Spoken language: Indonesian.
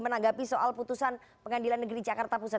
menanggapi soal putusan pengadilan negeri jakarta pusat